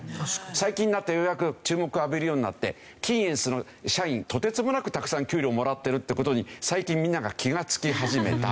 最近になってようやく注目を浴びるようになってキーエンスの社員とてつもなくたくさん給料をもらってるって事に最近みんなが気がつき始めたという。